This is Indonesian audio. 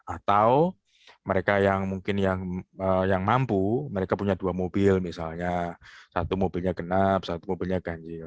atau mereka yang mungkin yang mampu mereka punya dua mobil misalnya satu mobilnya genap satu mobilnya ganjil